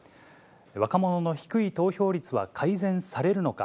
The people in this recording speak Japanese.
若者の低い投票率は改善されるのか。